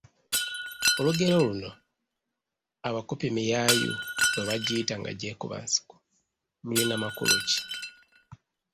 Olugero luno: “Abakopi miyaayu bwe bajiyita nga gyekuba nsiko", lulina makulu ki?